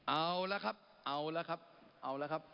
เอาแล้วครับเอาแล้วครับเอาแล้วครับ